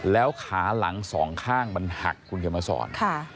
แล้วขาหลังสองข้างมันหักคุณเขียนมาสอน